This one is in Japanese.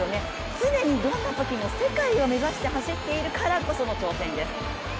常にどんなときも世界を目指して走っているからこその挑戦です。